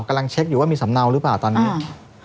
กำลังเช็คว่ามีสำเอาหรือบ้ะตอนนี้